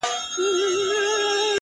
و خوږ زړگي ته مي،